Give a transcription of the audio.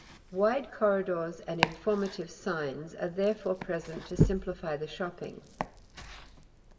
Wide corridors and informative signs are therefore present to simplify the shopping.